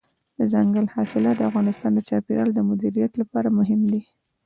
دځنګل حاصلات د افغانستان د چاپیریال د مدیریت لپاره مهم دي.